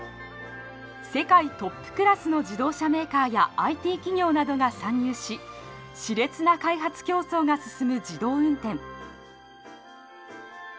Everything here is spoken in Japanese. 世界トップクラスの自動車メーカーやＩＴ企業などが参入ししれつな開発競争が進む自動運転。